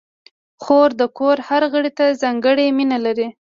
خور د کور هر غړي ته ځانګړې مینه لري.